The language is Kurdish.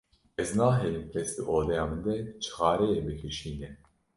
Ez nahêlim kes di odeya min de çixareyê bikişîne.